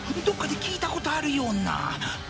どっかで聞いたことあるような。